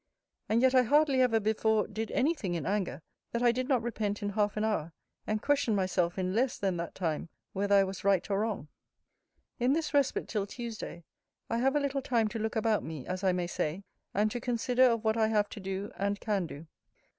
And yet I hardly ever before did any thing in anger, that I did not repent in half an hour; and question myself in less that that time, whether I was right or wrong. In this respite till Tuesday, I have a little time to look about me, as I may say, and to consider of what I have to do, and can do.